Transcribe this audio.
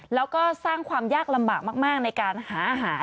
แล้วก็สร้างความยากลำบากมากในการหาอาหาร